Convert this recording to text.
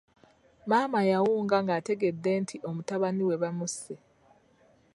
Maama yawunga ng’ategedde nti omutabani we bamusse.